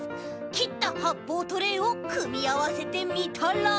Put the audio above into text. きったはっぽうトレーをくみあわせてみたら。